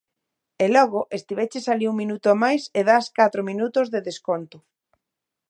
E logo estiveches alí un minuto máis e dás catro minutos de desconto.